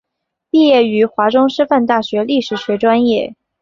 毕业于华中师范大学历史学专业。